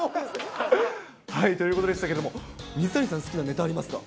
ということでしたけれども、水谷さん、好きなネタありますか？